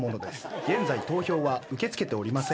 現在投票は受け付けておりません。